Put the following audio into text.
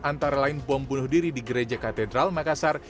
antara lain bom bunuh diri di gereja katedral makassar